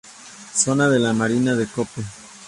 Zona de la Marina de Cope.